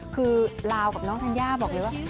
คือลาวกับน้องธัญญาบอกเลยว่า